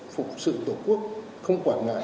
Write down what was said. phục sự tổ quốc không quản ngại